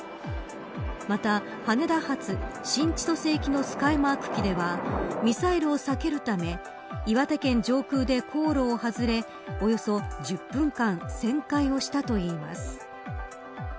また、羽田発新千歳行きのスカイマーク機ではミサイルを避けるため岩手県上空で航路を外れおよそ１０分間旋回をしたといいます。